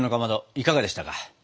いかがでしたか？